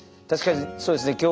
確かにそうですね